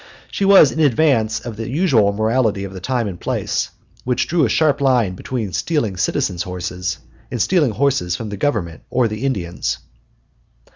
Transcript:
She was in advance of the usual morality of the time and place, which drew a sharp line between stealing citizens' horses and stealing horses from the Government or the Indians.